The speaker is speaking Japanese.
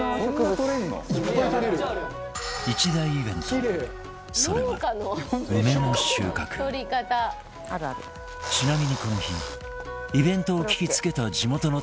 一大イベントそれはちなみにこの日イベントを聞きつけた地元のテレビ局も取材に